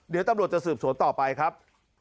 เดี๋ยวตำรวจจะสืบสวนต่อไปครับ